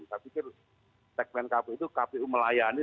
saya pikir segmen kpu itu kpu melayani